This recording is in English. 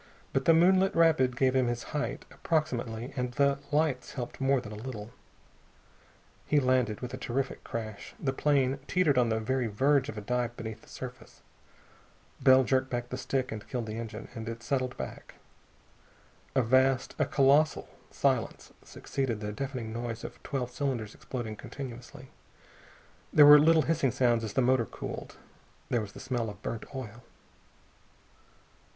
But the moonlit rapid gave him his height, approximately, and the lights helped more than a little. He landed with a terrific crash. The plane teetered on the very verge of a dive beneath the surface. Bell jerked back the stick and killed the engine, and it settled back. A vast, a colossal silence succeeded the deafening noise of twelve cylinders exploding continuously. There were little hissing sounds as the motor cooled. There was the smell of burnt oil.